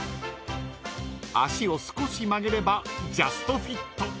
［脚を少し曲げればジャストフィット］